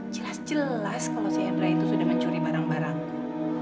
jelas jelas kalau si hendra itu sudah mencuri barang barangku